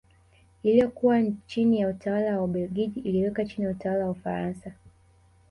Iliyokuwa chini ya utawala wa Ubelgiji iliwekwa chini ya utawala wa Ufaransa